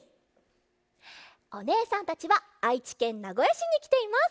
おねえさんたちはあいちけんなごやしにきています！